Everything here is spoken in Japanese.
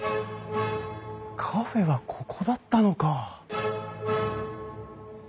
カフェはここだったのか。